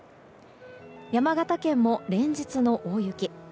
山形県も連日の大雪。